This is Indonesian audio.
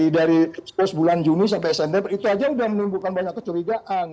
dari bulan juni sampai september itu aja sudah menimbulkan banyak kecurigaan